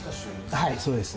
はいそうですね。